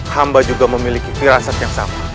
hamba juga memiliki firasat yang sama